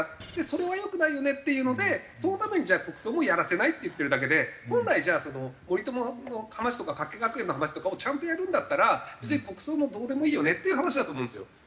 それは良くないよねっていうのでそのためにじゃあ国葬もやらせないって言ってるだけで本来じゃあ森友の話とか加計学園の話とかをちゃんとやるんだったら別に国葬もどうでもいいよねっていう話だと思うんですよ。